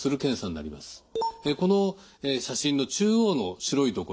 この写真の中央の白い所